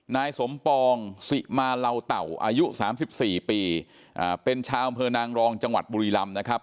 นายสมปองสิมาเหล่าเต่าอายุ๓๔ปีเป็นชาวอำเภอนางรองจังหวัดบุรีลำนะครับ